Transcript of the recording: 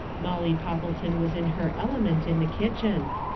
Molly Poppleton was in her element in the kitchen.